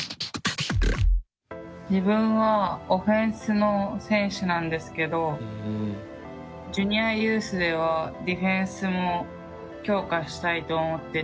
自分はオフェンスの選手なんですけどジュニアユースではディフェンスも強化したいと思ってて。